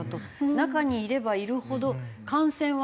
中にいればいるほど感染は。